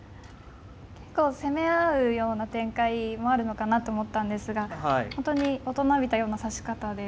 結構攻め合うような展開もあるのかなと思ったんですが本当に大人びたような指し方で。